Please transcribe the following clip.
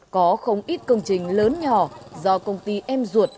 có không ít công trình lớn nhỏ do công ty em ruột